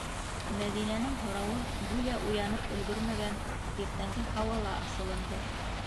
- Мәҙинәнең һорауы, гүйә, уянып өлгөрмәгән иртәнге һауала аҫылынды.